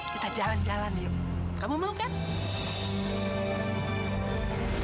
kita jalan jalan ya kamu mau kan